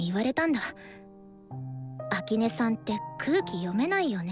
「秋音さんって空気読めないよね」